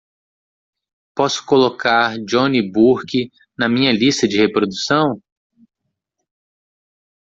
Posso colocar johnny burke na minha lista de reprodução?